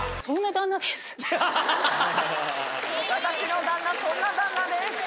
「私の旦那こんな旦那です」。